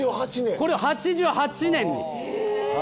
これ８８年に。